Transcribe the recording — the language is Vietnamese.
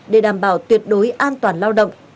để đảm bảo tuyệt đối an toàn lao động